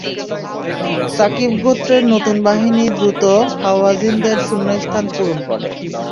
ছাকীফ গোত্রের নতুন বাহিনী দ্রুত হাওয়াযিনদের শূন্যস্থান পূরণ করে।